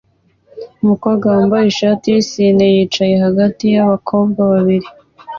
Umukobwa wambaye ishati yisine yicaye hagati yabakobwa babiri